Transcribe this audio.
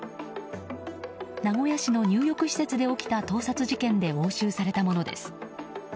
名古屋市の入浴施設で起きた盗撮事件で押収されたものです。